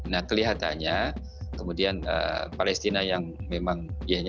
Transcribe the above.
nah kelihatannya kemudian palestina yang memang biayanya